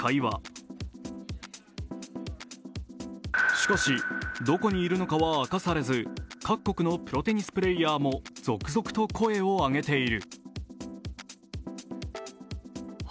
しかし、どこにいるかは明かされず、各国のプロテニスプレーヤーも続々と声を上げている。